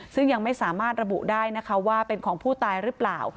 ซึ่งยังไม่สามารถระบุได้นะคะว่าเป็นของผู้ตายหรือเปล่า